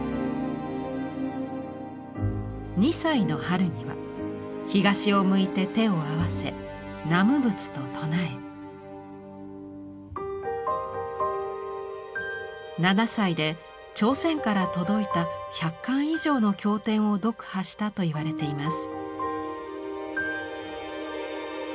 ２歳の春には東を向いて手を合わせ南無仏と唱え７歳で朝鮮から届いた１００巻以上の経典を読破したといわれています。